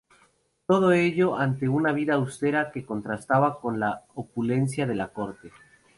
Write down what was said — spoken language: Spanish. Todo ello ante una vida austera que contrastaba con la opulencia de la corte.